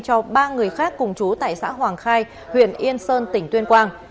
cho ba người khác cùng chú tại xã hoàng khai huyện yên sơn tỉnh tuyên quang